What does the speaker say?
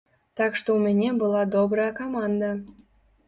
Так што ў мяне была добрая каманда.